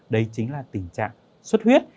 đấy chính là tình trạng xuất huyết